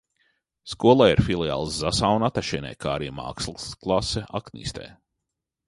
Skolai ir filiāles Zasā un Atašienē, kā arī mākslas klase Aknīstē.